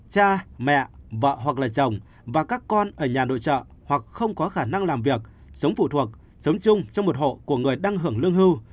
cha mẹ vợ hoặc là chồng và các con ở nhà nội trợ hoặc không có khả năng làm việc sống phụ thuộc sống chung trong một hộ của người đang hưởng lương hưu